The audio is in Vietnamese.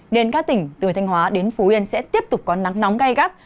nên các tỉnh từ thanh hóa đến phú yên sẽ tiếp tục có nắng nóng gai gắt